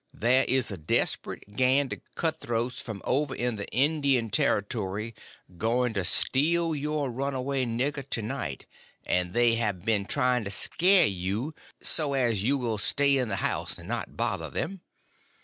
There is a desprate gang of cutthroats from over in the Indian Territory going to steal your runaway nigger to night, and they have been trying to scare you so as you will stay in the house and not bother them.